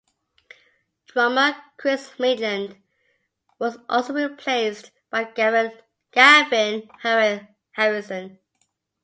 Drummer Chris Maitland was also replaced by Gavin Harrison.